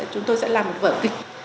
chúng tôi sẽ làm một vở kịch